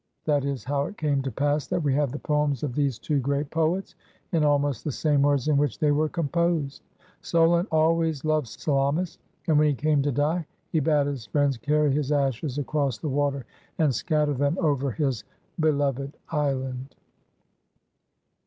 That is how it came to pass that we have the poems of these 60 SOLON, WHO MADE LAWS FOR ATHENIANS two great poets in almost the same words in which they were composed. Solon always loved Salamis, and when he came to die, he bade his friends carry his ashes across the water and scatter them over his beloved island.